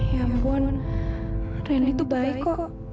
ya ampun randy tuh baik kok